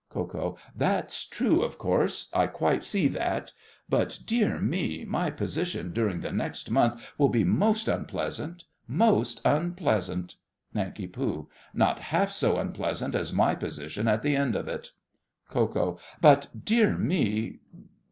KO. That's true, of course. I quite see that. But, dear me! my position during the next month will be most unpleasant—most unpleasant. NANK. Not half so unpleasant as my position at the end of it. KO. But—dear me!